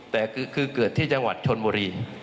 แต่คือเกิดที่จังหวัดชนบุรี